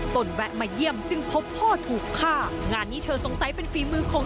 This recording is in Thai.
แวะมาเยี่ยมจึงพบพ่อถูกฆ่างานนี้เธอสงสัยเป็นฝีมือของ